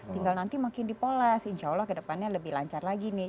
tinggal nanti makin dipoles insya allah kedepannya lebih lancar lagi nih